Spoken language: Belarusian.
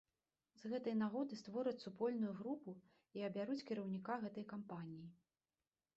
З гэтай нагоды створаць супольную групу і абяруць кіраўніка гэтай кампаніі.